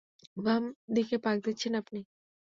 বাম দিকে পাক দিচ্ছেন আপনি।